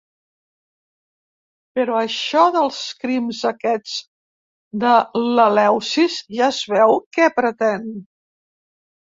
Però això dels crims aquests de l'Eleusis ja es veu què pretèn.